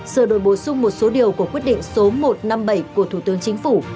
sửa đổi bổ sung một số điều của quyết định số một trăm năm mươi bảy của thủ tướng chính phủ